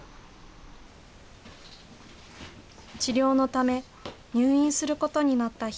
治療のため、入院することになった日。